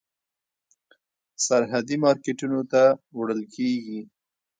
سرحدي مارکېټونو ته وړل کېږي.